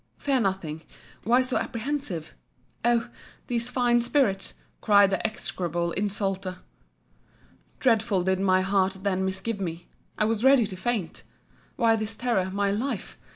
—Fear nothing—Why so apprehensive?—Oh! these fine spirits!—cried the execrable insulter. Dreadfully did my heart then misgive me: I was ready to faint. Why this terror, my life?